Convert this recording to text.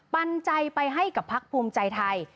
ปันใจไปให้กับพักภูมิใจไทย